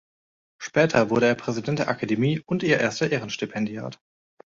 Später wurde er Präsident der Akademie und ihr erster Ehrenstipendiat.